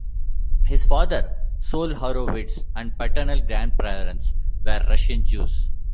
His father, Sol Horowitz, and paternal grandparents were Russian Jews.